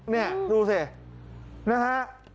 นี่ดูสินะฮะ